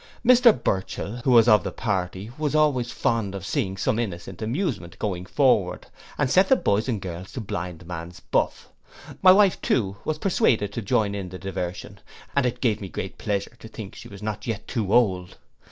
Mr Burchell, who was of the party, was always fond of seeing some innocent amusement going forward, and set the boys and girls to blind man's buff. My wife too was persuaded to join in the diversion, and it gave me pleasure to think she was not yet too old.